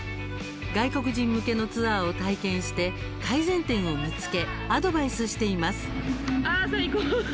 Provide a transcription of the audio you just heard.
外国人向けのツアーを体験して改善点を見つけアドバイスしています。